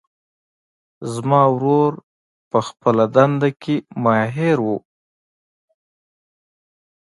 زما ورور په خپلهدنده کې ماهر ده